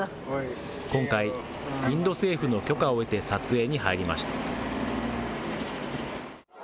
今回、インド政府の許可を得て撮影に入りました。